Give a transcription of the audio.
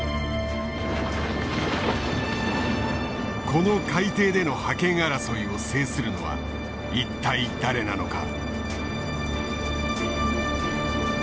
この海底での覇権争いを制するのは一体誰なのか？